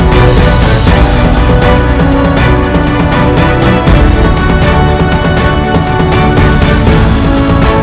key pun aku mau